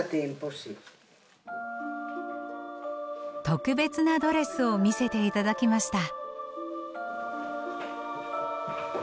特別なドレスを見せて頂きました。